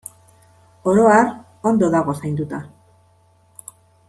Oro har, ondo dago zainduta.